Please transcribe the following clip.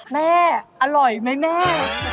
แม่อร่อยไหมแม่